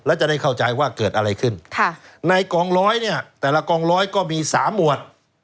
แล้วจะได้เข้าใจว่าเกิดอะไรขึ้นในกองร้อยเนี่ยแต่ละกองร้อยก็มีสามหมวด